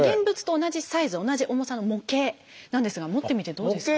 同じ重さの模型なんですが持ってみてどうですか？